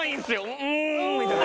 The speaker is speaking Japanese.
「うん」みたいな。